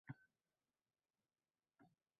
Zayliga yurgizmoq istar zamona